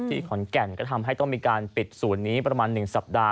ที่ขอนแก่นก็ทำให้ต้องมีการปิดศูนนี้ประมาณหนึ่งสัปดาห์